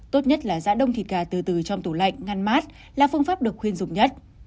tốt nhất là giã đông thịt gà từ từ trong tủ lạnh ngăn mát là phương pháp được khuyên dục nhất